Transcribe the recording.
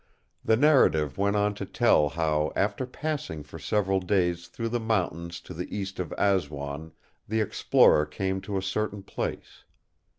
The narrative went on to tell how, after passing for several days through the mountains to the east of Aswan, the explorer came to a certain place.